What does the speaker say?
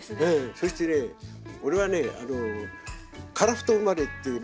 そしてね俺はねあの樺太生まれっていうまあ